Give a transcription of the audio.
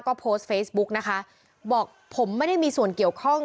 ก็โพสต์เฟซบุ๊กนะคะบอกผมไม่ได้มีส่วนเกี่ยวข้อง